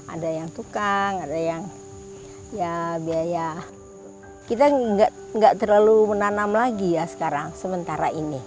ada yang tukang ada yang ya biaya kita nggak terlalu menanam lagi ya sekarang sementara ini